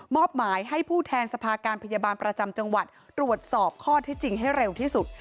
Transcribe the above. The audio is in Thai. อบหมายให้ผู้แทนสภาการพยาบาลประจำจังหวัดตรวจสอบข้อที่จริงให้เร็วที่สุด